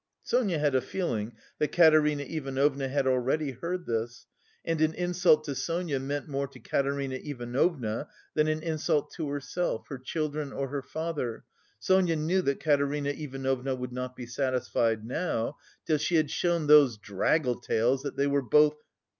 Sonia had a feeling that Katerina Ivanovna had already heard this and an insult to Sonia meant more to Katerina Ivanovna than an insult to herself, her children, or her father, Sonia knew that Katerina Ivanovna would not be satisfied now, "till she had shown those draggletails that they were both..."